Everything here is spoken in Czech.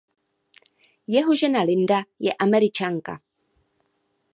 Jeho žena Linda je Američanka.